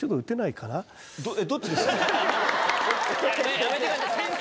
やめてください先生！